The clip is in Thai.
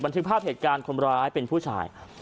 ทึกภาพเหตุการณ์คนร้ายเป็นผู้ชาย